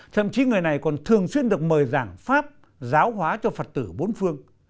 thậm chí người này còn thường xuyên được mời giảng pháp giáo hóa cho phật tử bốn phương